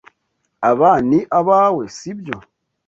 Aba ni abawe, sibyo?